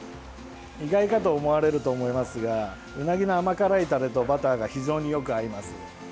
意外かと思われると思いますがうなぎの甘辛いタレとバターが非常によく合います。